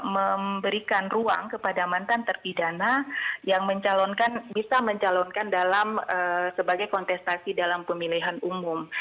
memberikan ruang kepada mantan terpidana yang bisa mencalonkan sebagai kontestasi dalam pemilihan umum